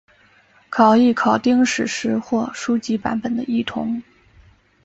考异考订史实或书籍版本的异同。